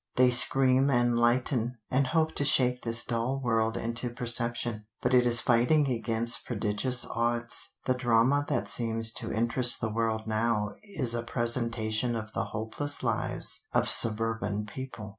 They scream and lighten, and hope to shake this dull world into perception. But it is fighting against prodigious odds. The drama that seems to interest the world now is a presentation of the hopeless lives of suburban people.